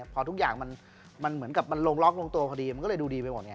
พอทุกอย่างมันเหมือนกับมันลงล็อกลงตัวพอดีมันก็เลยดูดีไปหมดไง